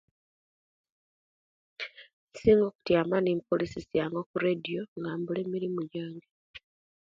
Insiga okutiama nempulirisia ku radio nga mpula emirimu jange